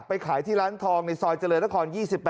ขายที่ร้านทองในซอยเจริญนคร๒๘